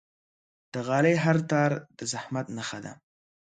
د غالۍ هر تار د زحمت نخښه ده.